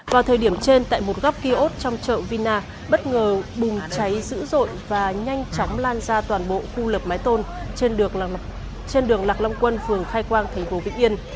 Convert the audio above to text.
vào thời điểm trên tại một góc kiosk trong chợ vina bất ngờ bùng cháy dữ dội và nhanh chóng lan ra toàn bộ khu lập mái tôn trên đường lạc long quân phường khai quang tp vĩnh yên